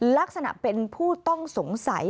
ลักษณะเป็นผู้ต้องสงสัย